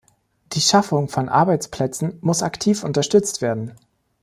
Die Schaffung von Arbeitsplätzen muss aktiv unterstützt werden.